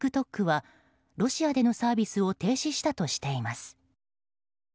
ＴｉｋＴｏｋはロシアでのサービスを停止したとしています。